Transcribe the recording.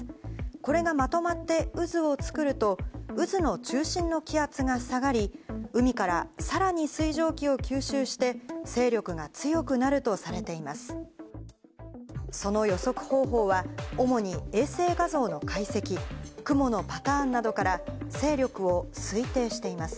これがまとまって渦を作ると、渦の中心の気圧が下がり、海からさらに水蒸気を吸収して、勢力が強くなるとされています。